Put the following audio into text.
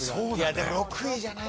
でも６位じゃない。